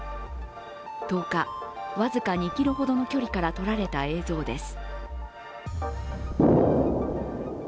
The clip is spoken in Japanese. １０日、僅か２ｋｍほどの距離から撮られた映像です。